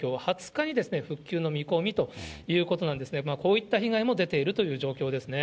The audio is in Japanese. ２０日に復旧の見込みということなんですが、こういった被害も出ているという状況ですね。